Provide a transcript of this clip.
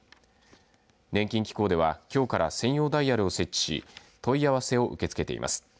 年金機構では、きょうから専用ダイヤルを設置し問い合わせを受け付けています。